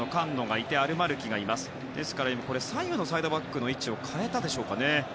ですから今左右のサイドバックの位置を変えたでしょうか。